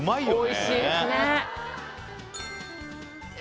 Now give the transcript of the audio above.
おいしいですねええ